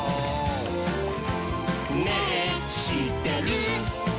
「ねぇしってる？」